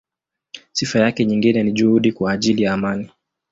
Sifa yake nyingine ni juhudi kwa ajili ya amani.